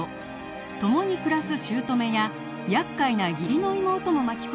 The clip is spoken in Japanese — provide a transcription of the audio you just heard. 共に暮らす姑や厄介な義理の妹も巻き込み